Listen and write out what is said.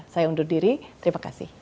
saya undur diri terima kasih